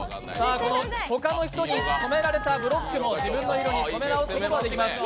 他の人に染められたブロックも自分の色に染め直すことができます。